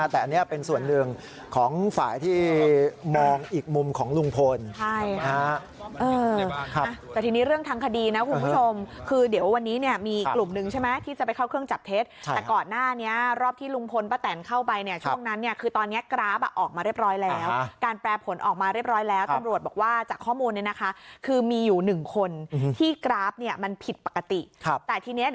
แต่อันนี้เป็นส่วนหนึ่งของฝ่ายที่มองอีกมุมของลุงพลแต่ทีนี้เรื่องทางคดีนะคุณผู้ชมคือเดี๋ยววันนี้เนี่ยมีกลุ่มหนึ่งใช่ไหมที่จะไปเข้าเครื่องจับเท็จแต่ก่อนหน้านี้รอบที่ลุงพลป้าแตนเข้าไปเนี่ยช่วงนั้นเนี่ยคือตอนนี้กราฟอ่ะออกมาเรียบร้อยแล้วการแปรผลออกมาเรียบร้อยแล้วตำรวจบอกว่าจากข้อมูลเนี่ยนะคะคือมีอยู่หนึ่งคนที่กราฟเนี่ยมันผิดปกติแต่ทีนี้